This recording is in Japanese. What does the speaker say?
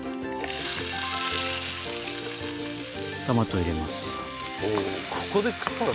トマト入れます